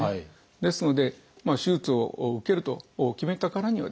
ですので手術を受けると決めたからにはですね